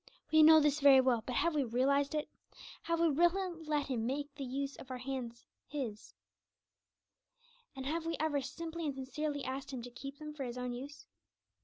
We know this very well, but have we realized it? Have we really let Him have the use of these hands of ours? and have we ever simply and sincerely asked Him to keep them for His own use?